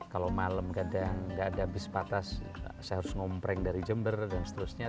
kalau malam kadang nggak ada bis patas saya harus ngompreng dari jember dan seterusnya